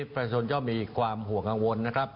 ประชาชนย่อมมีความห่วงกังวลนะครับ